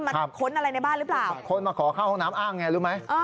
ค้นอะไรในบ้านหรือเปล่าคนมาขอเข้าห้องน้ำอ้างไงรู้ไหม